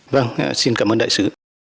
vâng xin cảm ơn đại sứ